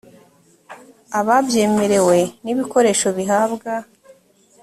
ababyemerewe n ibikoresho bihabwa